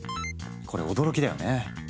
これ驚きだよね。